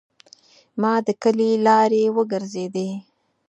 ما د کلي لارې وګرځیدې.